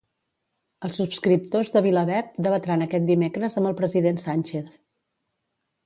Els subscriptors de VilaWeb debatran aquest dimecres amb el president Sánchez.